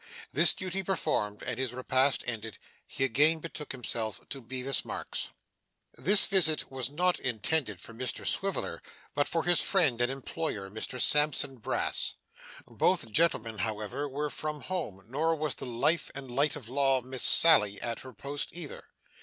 This duty performed, and his repast ended, he again betook himself to Bevis Marks. This visit was not intended for Mr Swiveller, but for his friend and employer Mr Sampson Brass. Both gentlemen however were from home, nor was the life and light of law, Miss Sally, at her post either.